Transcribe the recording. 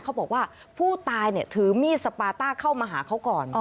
เขาบอกว่าผู้ตายถือมีดสปาต้าเข้ามาหาเขาก่อน